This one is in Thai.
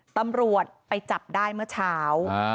ตำรวจไปจับได้เมื่อเช้า